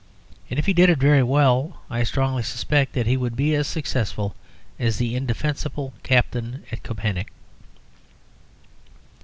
And if he did it very well I strongly suspect that he would be as successful as the indefensible Captain at Koepenick.